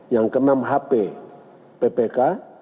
yang keenam hp ppk